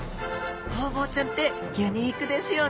ホウボウちゃんってユニークですよね